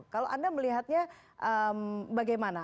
kalau anda melihatnya bagaimana